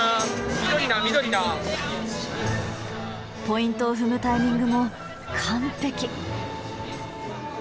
ポイントを踏むタイミングも完璧！